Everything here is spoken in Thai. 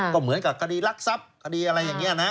ก็เหมือนกับคดีรักทรัพย์คดีอะไรอย่างนี้นะ